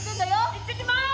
行ってきます。